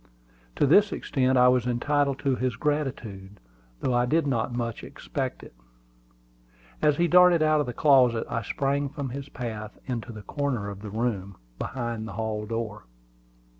To this extent I was entitled to his gratitude, though I did not expect much of him. As he darted out of the closet, I sprang from his path into the corner of the room, behind the hall door.